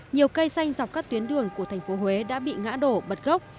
nhiều cây xanh dọc các tuyến đường của thành phố huế đã bị ngã đổ bật gốc